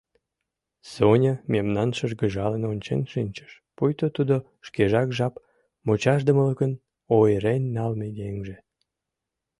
Соня мемнам шыргыжалын ончен шинчыш – пуйто тудо шкежак жап мучашдымылыкын ойырен налме еҥже.